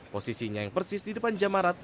posisinya yang persis di depan jemaah rat